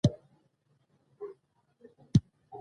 ده له پسه سره ډېره مینه لرله بې حده.